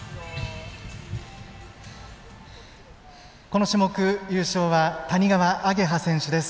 この種目、優勝は谷川亜華葉選手です。